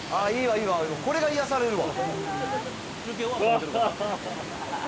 いいね、これが癒やされるわ。